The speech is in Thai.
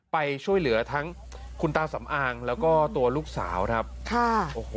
ไปช่วยเหลือทั้งคุณตาสำอางแล้วก็ตัวลูกสาวครับค่ะโอ้โห